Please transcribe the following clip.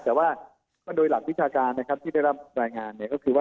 แต่ว่ามันโดยหลักวิชาการนะครับที่ได้รับรายงานเนี่ย